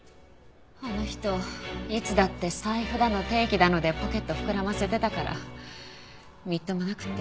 あの人いつだって財布だの定期だのでポケット膨らませてたからみっともなくて。